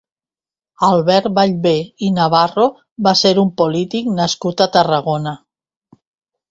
Albert Vallvé i Navarro va ser un polític nascut a Tarragona.